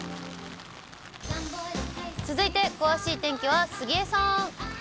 続いて詳しい天気は杉江さん。